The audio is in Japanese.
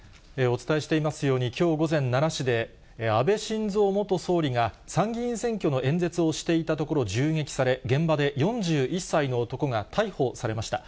お伝えしていますように、きょう午前、奈良市で安倍晋三元総理が、参議院選挙の演説をしていたところ銃撃され、現場で４１歳の男が逮捕されました。